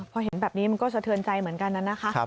พอเห็นแบบนี้มันก็เชิญใจเหมือนกันน่ะนะครับ